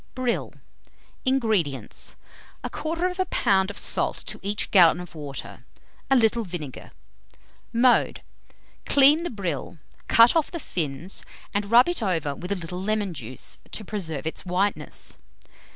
BRILL. 230. INGREDIENTS. 1/4 lb. of salt to each gallon of water; a little vinegar. Mode. Clean the brill, cut off the fins, and rub it over with a little lemon juice, to preserve its whiteness.